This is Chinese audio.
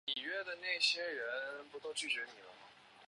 蒙特雷阿莱苏斯人口变化图示